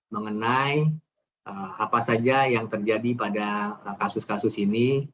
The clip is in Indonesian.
mengenai apa saja yang terjadi pada kasus kasus ini